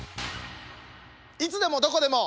「いつでもどこでも」。